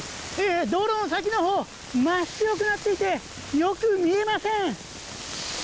道路の先のほう真っ白くなっていてよく見えません。